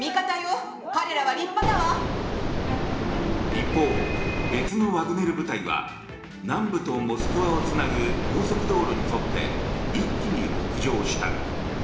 一方、別のワグネル部隊は南部とモスクワをつなぐ高速道路に沿って一気に北上した。